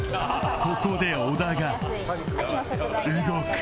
ここで小田が動く